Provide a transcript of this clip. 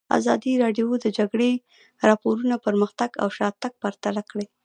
ازادي راډیو د د جګړې راپورونه پرمختګ او شاتګ پرتله کړی.